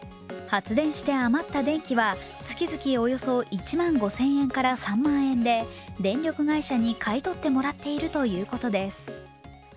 発電して余った電気は月々およそ１万５０００円から３万円で電力会社に買い取ってもらっているということです。